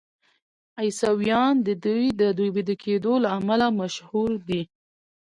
عیسویان د دوی د ویده کیدو له امله مشهور دي.